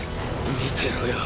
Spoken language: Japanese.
見てろよ！